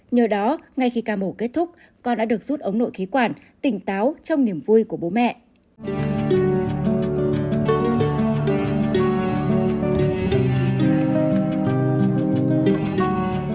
nhờ đó ngay khi ca mổ kết thúc con đã được rút ống nội khí quản tỉnh táo trong niềm vui của bố mẹ